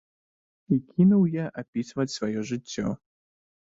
І кінуў я апісваць сваё жыццё.